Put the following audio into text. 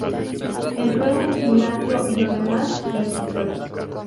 Entró en un gimnasio y lo demás ya es historia.